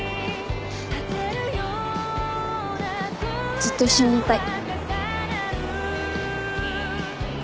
ずっと一緒にいたい。